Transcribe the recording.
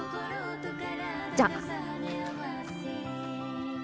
じゃあ。